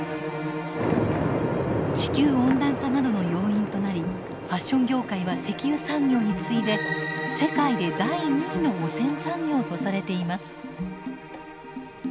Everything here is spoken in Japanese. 地球温暖化などの要因となりファッション業界は石油産業に次いで世界で第２位の汚染産業とされています。